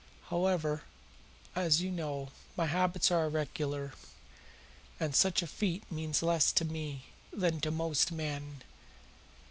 "However, as you know, my habits are irregular, and such a feat means less to me than to most men.